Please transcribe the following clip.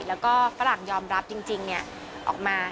แล้วก็ฝรั่งยอมรับจริงออกมา